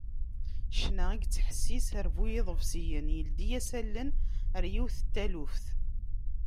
Ccna i yettḥessis γer bu iḍebsiyen yeldi-as allen γer yiwet n taluft.